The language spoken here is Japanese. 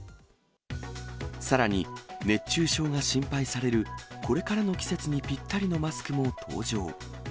さらに、熱中症が心配されるこれからの季節にぴったりのマスクも登場。